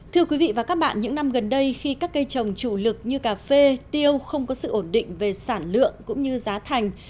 thưa quý vị và các bạn những năm gần đây khi các cây trồng chủ lực như cà phê tiêu không có sự ổn định về sản lượng cũng như giá thành